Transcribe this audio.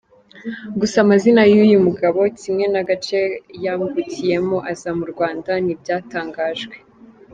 Gusa amazina y’uyu mugabo kimwe n’agace yambukiyemo aza mu Rwanda ntibyatangajwe.